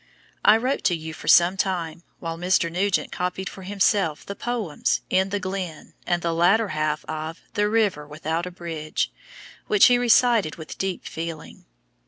I wrote to you for some time, while Mr. Nugent copied for himself the poems "In the Glen" and the latter half of "The River without a Bridge," which he recited with deep feeling.